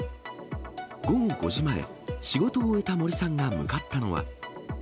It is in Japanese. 午後５時前、仕事を終えた森さんが向かったのは。